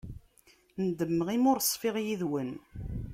Nedmeɣ imi ur ṣfiɣ yid-wen.